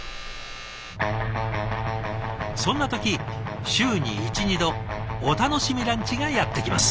そんな時週に１２度お楽しみランチがやってきます。